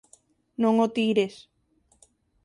Non o tires.